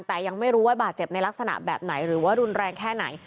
แต่ยังไม่รู้ว่าบาดเจ็บในลักษณะแบบไหนหรือว่ารุนแรงแค่ไหน